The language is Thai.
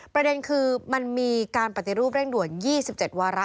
ประเด็นคือมันมีการปฏิรูปเร่งด่วน๒๗วาระ